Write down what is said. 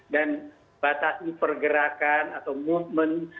dan batasi pergerakan atau movement